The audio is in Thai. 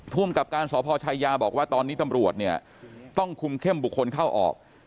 ภูมิกับการสพชายาบอกว่าตอนนี้ตำรวจเนี่ยต้องคุมเข้มบุคคลเข้าออก